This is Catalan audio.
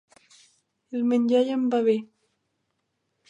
El menjar ja em va bé.